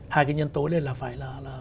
hai cái nhân tố đấy là phải